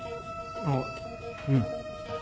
あっうん。